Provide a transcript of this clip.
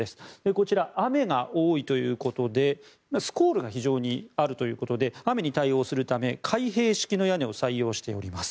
こちら、雨が多いということでスコールが非常にあるということで雨に対応するため開閉式の屋根を採用しております。